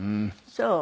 そう？